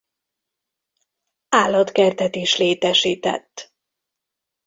Állatkertet is létesített.